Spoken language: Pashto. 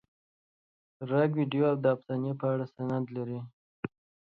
رګ وید د افسانې په اړه سندرې لري.